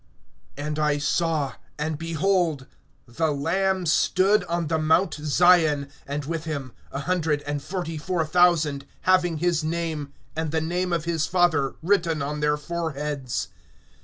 AND I saw, and behold, the Lamb stood on the mount Zion, and with him a hundred and forty four thousand, having his name, and the name of his Father written on their foreheads.